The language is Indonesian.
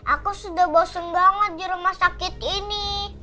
aku sudah bosen banget di rumah sakit ini